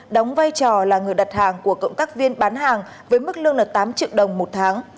đóng vai trò là người đặt hàng của cộng tác viên bán hàng với mức lương tám triệu đồng một tháng